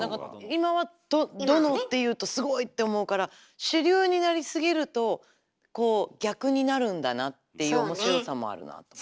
今は「殿」っていうとすごい！って思うから主流になりすぎるとこう逆になるんだなっていう面白さもあるなと。